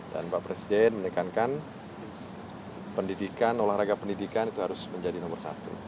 dan bapak presiden menekankan pendidikan olahraga pendidikan itu harus menjadi nomor satu